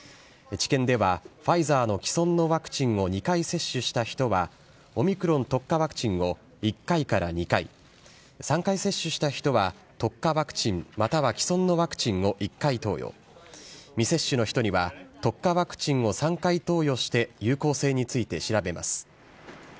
治験では、ファイザーの既存のワクチンを２回接種した人はオミクロン特化ワクチンを１回から２回、３回接種した人は特化ワクチンまたは既存のワクチンを１回投与、未接種の人には特化ワクチンを３回投与して有効性について調べます。